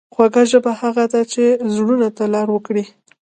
خوږه ژبه هغه ده چې زړونو ته لار وکړي.